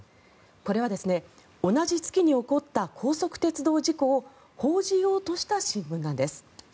これは同じ月に起こった高速鉄道事故を報じようとした新聞なんです。